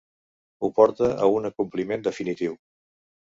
Ho porta a un acompliment definitiu.